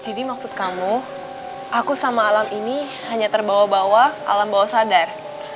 jadi maksud kamu aku sama alam ini hanya terbawa bawa alam bawah sadar